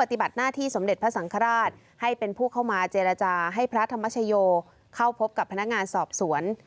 ปฏิบัติหน้าที่สมเด็จพระสังฆราชให้เป็นผู้เข้ามาเจรจาให้พระธรรมชโยเข้าพบกับพนักงานสอบสวน